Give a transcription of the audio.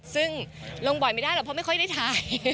ซึ่งลงบ่อยไม่ได้หรอกเพราะไม่ค่อยได้ถ่าย